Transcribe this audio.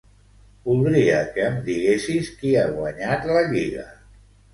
Voldria que em diguessis qui ha guanyat la Lliga.